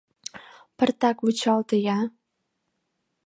— Пыртак вучалте-я!